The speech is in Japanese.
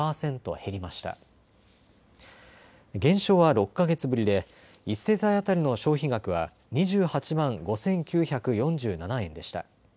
減少は６か月ぶりで１世帯当たりの消費額は２８万５９４７円でした。